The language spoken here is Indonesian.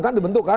kan dibentuk kan